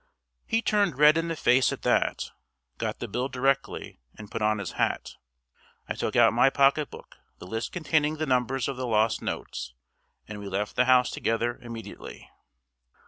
He turned red in the face at that, got the bill directly, and put on his hat. I took out of my pocket book the list containing the numbers of the lost notes, and we left the house together immediately.